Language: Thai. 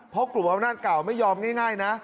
เพราะกลุ่มอำนาจเก่าไม่ยอมง่ายนะ